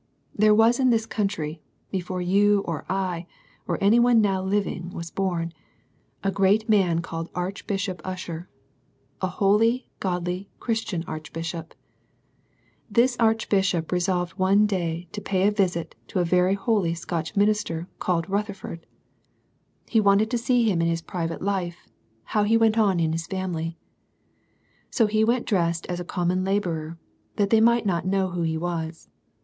There was in this country, before you or I, or any one now living, was bom, a great man called Archbishop Usher: a holy, godly, Christian Archbishop. This Archbishop resolved one day to pay a visit to a very holy Scotch minister, called Rutheifoid. ^^^^^^ss^^^ns^^^^ ' I06 SERMONS FOR CHILDREN. him in his private life, how he went on in his family. So he went dressed as a common labourer, that they might not know who he was.